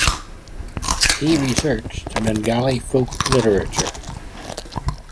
He researched Bengali folk literature.